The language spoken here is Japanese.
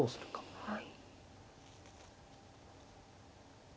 はい。